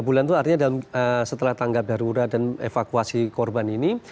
tiga bulan itu artinya setelah tanggap darurat dan evakuasi korban ini